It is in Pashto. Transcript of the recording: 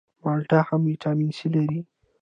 مالټه هم ویټامین سي لري